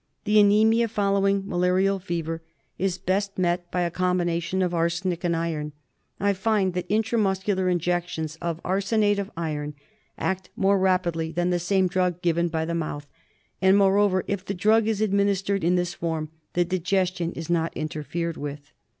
The anaemia following malarial fever is best met by MALARIA. 199 a combination of arsenic and iron. I find that intra muscular injections of arsenate of iron act more rapidly than the same drug given by the mouth, and, moreover, if the drug is administered in this form the digestion is not interfered with.